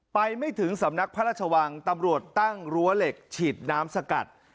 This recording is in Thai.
ไปไม่ถึงสำนักพระราชวังตำรวจตั้งรั้วเหล็กฉีดน้ำสกัด